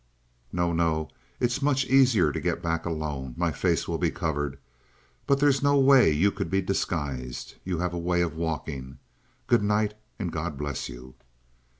"No, no! It's much easier to get back alone. My face will be covered. But there's no way you could be disguised. You have a way of walking good night and God bless you!"